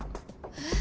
えっ？